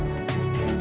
aku mau berjalan